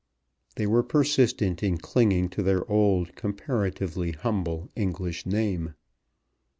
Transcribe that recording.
They were persistent in clinging to their old comparatively humble English name.